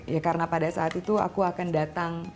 ya karena pada saat itu aku akan datang